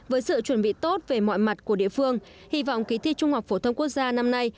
với sự chuẩn bị tốt về mọi mặt của địa phương hy vọng kỳ thi trung học phổ thông quốc gia năm nay